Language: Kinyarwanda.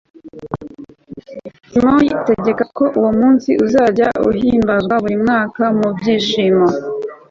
simoni ategeka ko uwo munsi uzajya uhimbazwa buri mwaka mu byishimo